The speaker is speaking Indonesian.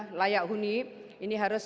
terbaru nggak helping bagus